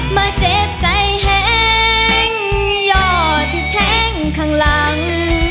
มาเจ็บใจแห้งย่อที่แท้งข้างหลัง